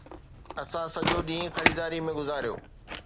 اسان سڄو ڏينهن خريداريءَ ۾ گذاريو